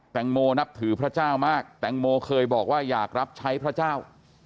นับถือพระเจ้ามากแตงโมเคยบอกว่าอยากรับใช้พระเจ้า